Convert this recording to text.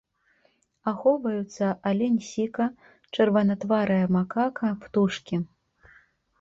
Ахоўваюцца алень-сіка, чырванатварая макака, птушкі.